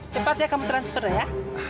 cepat ya kamu transfer ya